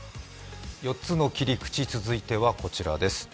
４つの切り口、続いてはこちらです。